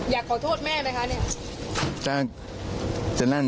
อยากขอโทษแม่บะคะ